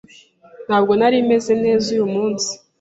Ntabwo nari meze neza uyu munsi.